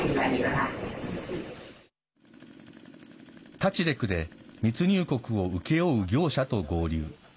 タチレクで密入国を請け負う業者と合流。